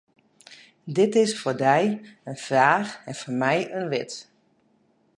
Dat is foar dy in fraach en foar my in weet.